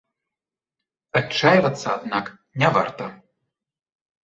Адчайвацца, аднак, не варта.